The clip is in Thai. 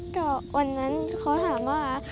ก็วันนั้นเขาถามว่า